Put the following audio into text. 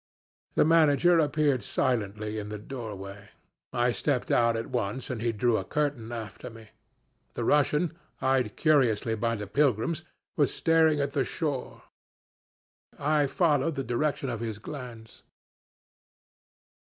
"The manager appeared silently in the doorway; I stepped out at once and he drew the curtain after me. The Russian, eyed curiously by the pilgrims, was staring at the shore. I followed the direction of his glance.